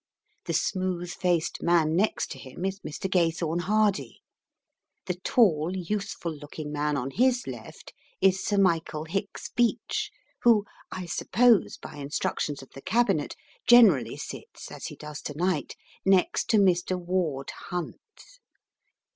The smooth faced man next to him is Mr. Gathorne Hardy. The tall, youthful looking man on his left is Sir Michael Hicks Beach, who, I suppose by instructions of the Cabinet, generally sits, as he does to night, next to Mr. Ward Hunt.